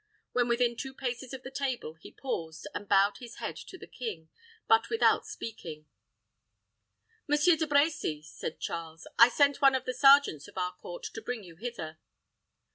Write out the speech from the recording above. When within two paces of the table, he paused, and bowed his head to the king, but without speaking. "Monsieur De Brecy," said Charles, "I sent one of the sergeants of our court to bring you hither."